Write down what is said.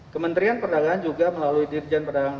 kementerian perdagangan juga melalui dirjen perdagangan